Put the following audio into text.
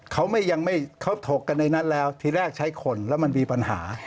เขาถกกันในนั้นแล้วทีแรกใช้คนแล้วมันมีปัญหา